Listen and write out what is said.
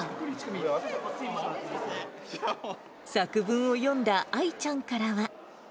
作文を読んだあいちゃんからは。